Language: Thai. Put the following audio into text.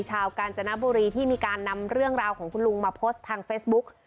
กาญจนบุรีที่มีการนำเรื่องราวของคุณลุงมาโพสต์ทางเฟซบุ๊ก